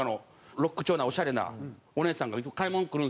ロック調なオシャレなお姉さんが買い物来るんですよ。